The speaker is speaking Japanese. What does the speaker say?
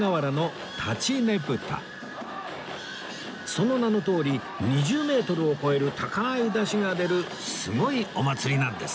その名のとおり２０メートルを超える高い山車が出るすごいお祭りなんです